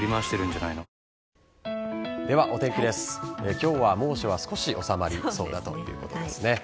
今日は猛暑は少し収まりそうだということです。